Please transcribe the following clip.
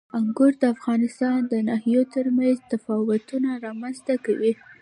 انګور د افغانستان د ناحیو ترمنځ تفاوتونه رامنځ ته کوي.